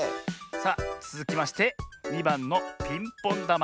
さあつづきまして２ばんのピンポンだま。